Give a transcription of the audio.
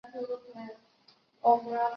本作的第一女主角。